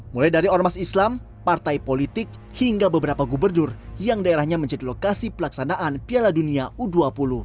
mulai dari ormas islam partai politik hingga beberapa gubernur yang daerahnya menjadi lokasi pelaksanaan piala dunia u dua puluh